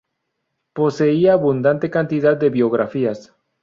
Poseía abundante cantidad de biografías.